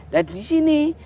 dan di sini